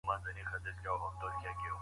روغتونونه څه حال لري؟